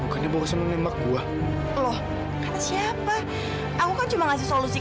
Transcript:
haris tunggu haris